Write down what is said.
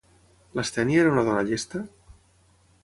Lastènia era una dona llesta?